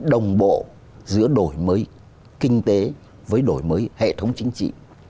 đồng bộ giữa đổi mới kinh tế với đổi mới hệ thống chính trị